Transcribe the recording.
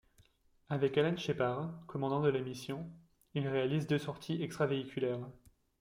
Avec Alan Shepard, commandant de la mission, il réalise deux sorties extra-véhiculaires.